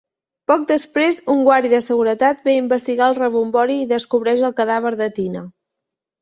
Poc després, un guàrdia de seguretat ve a investigar el rebombori i descobreix el cadàver de Tina.